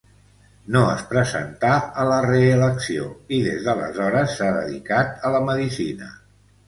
No es presentà a la reelecció i des d'aleshores s'ha dedicat a la medicina.